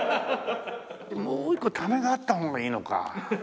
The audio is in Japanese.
もう一個ためがあった方がいいのか。